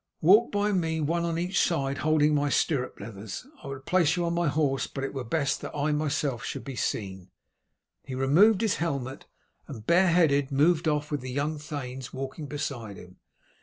"Walk by me one on each side holding my stirrup leathers. I would place you on my horse, but it were best that I myself should be seen." He removed his helmet, and bareheaded moved off with the young thanes walking beside him.